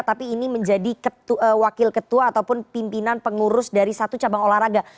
tapi ini menjadi wakil ketua ataupun pimpinan pengurus dari satu cabang olahraga